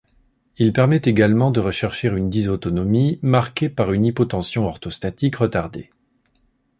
Il permet également de rechercher une dysautonomie marquée par une hypotension orthostatique retardée.